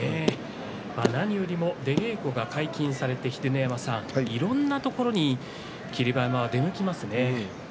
何よりも出稽古が解禁されて秀ノ山さん、いろんなところに霧馬山、出向きますね。